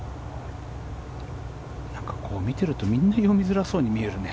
見ているとみんな読みづらそうに見えるね。